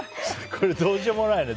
これ、どうしようもないね。